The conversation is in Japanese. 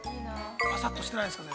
◆パサッとしてないですかね。